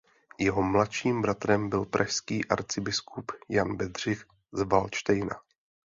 Jeho mladším bratrem byl pražský arcibiskup Jan Bedřich z Valdštejna.